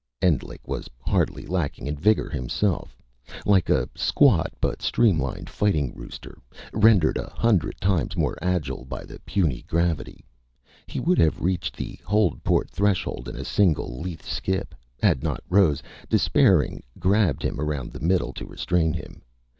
Endlich was hardly lacking in vigor, himself. Like a squat but streamlined fighting rooster, rendered a hundred times more agile by the puny gravity, he would have reached the hold port threshold in a single lithe skip had not Rose, despairing, grabbed him around the middle to restrain him.